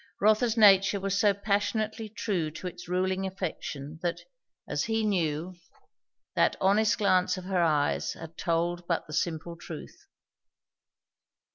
Rotha's nature was so passionately true to its ruling affection that, as he knew, that honest glance of her eyes had told but the simple truth.